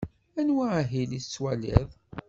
Anwa ahil i tettwaliḍ?